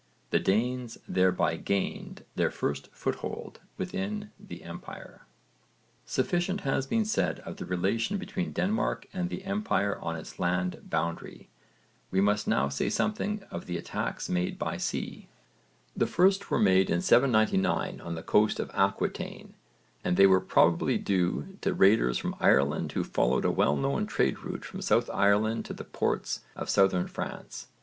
The Danes thereby gained their first foothold within the empire. Sufficient has been said of the relation between Denmark and the empire on its land boundary: we must now say something of the attacks made by sea. The first were made in 799 on the coast of Aquitaine and they were probably due to raiders from Ireland who followed a well known trade route from South Ireland to the ports of Southern France.